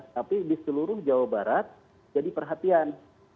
tapi di seluruh jawa barat jadi perhatian